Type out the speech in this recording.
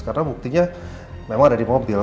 karena buktinya memang ada di mobil